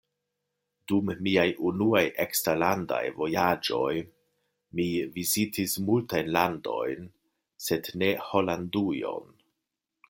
Dum miaj unuaj eksterlandaj vojaĝoj mi vizitis multajn landojn, sed ne Holandujon.